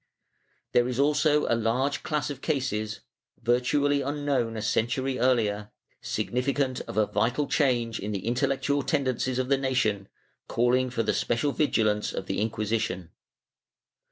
There is also a large class of cases, virtually unknown a century earlier, significant of a vital change in the intellectual tendencies of the nation, caUing for the special vigilance of the Inquisition.